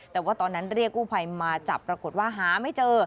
แต่ว่าตอนนั้นเรียกกู้ภัยมาจับปรากฏว่าหาไม่เจอ